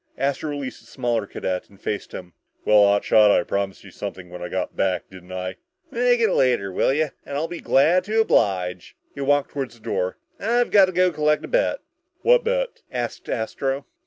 Astro released the smaller cadet and faced him. "Well, hot shot, I promised you something when I got back, didn't I?" "Make it later, will you, and I'll be glad to oblige." He walked toward the door. "I've got to go down and collect a bet." "What bet?" asked Astro.